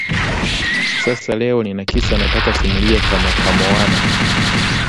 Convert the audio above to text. Sasa leo nina kisa nataka simulia cha Mokamoona